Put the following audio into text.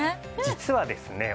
実はですね